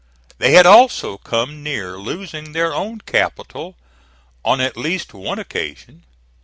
They had also come near losing their own capital on at least one occasion.